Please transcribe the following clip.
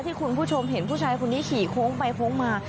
คุณผู้ชมเห็นผู้ชายคนนี้ขี่โค้งไปโค้งมา